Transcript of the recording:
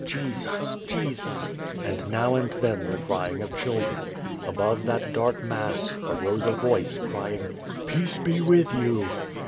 Jesus! Jesus!" and now and then the crying of children. Above that dark mass arose a voice crying, "Peace be with you!"